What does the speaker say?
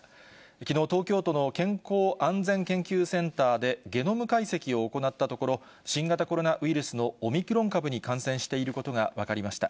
きのう、東京都の健康安全研究センターでゲノム解析を行ったところ、新型コロナウイルスのオミクロン株に感染していることが分かりました。